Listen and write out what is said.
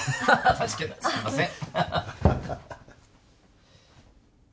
確かにすみません